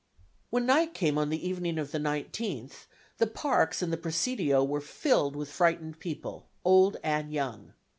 When night came on the evening of the 19th, the parks and the Presidio were filled with frightened people, old and young.